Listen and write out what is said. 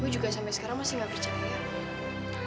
gua juga sampai sekarang masih gak percaya nek